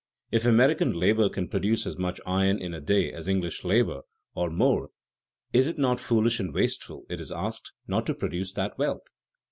If American labor can produce as much iron in a day as English labor, or more, is it not foolish and wasteful, it is asked, not to produce that wealth?